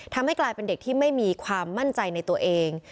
ทำให้กลายเป็นเด็กที่ไม่มีความมั่นใจในตัวเอง